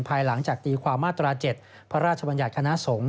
ภายหลังจากตีความมาตรา๗พระราชบัญญัติคณะสงฆ์